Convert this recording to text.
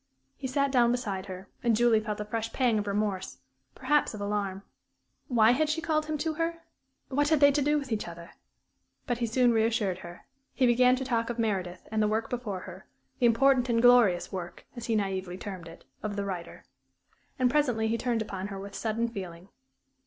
He sat down beside her, and Julie felt a fresh pang of remorse, perhaps of alarm. Why had she called him to her? What had they to do with each other? But he soon reassured her. He began to talk of Meredith, and the work before her the important and glorious work, as he naïvely termed it, of the writer. And presently he turned upon her with sudden feeling.